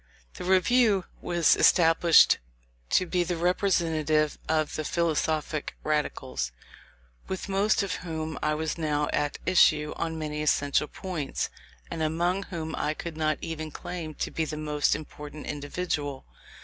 The Review was established to be the representative of the "philosophic Radicals," with most of whom I was now at issue on many essential points, and among whom I could not even claim to be the most important individual.